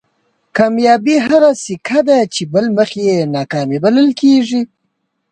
کامیابي هغه سکه ده چې بل مخ یې ناکامي بلل کېږي.